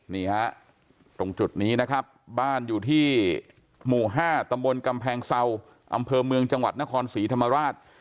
นี่ฮะตรงจุดนี้นะครับบ้านอยู่ที่หมู่๕ตำบลกำแพงเศร้าอำเภอเมืองจังหวัดนครศรีธรรมราช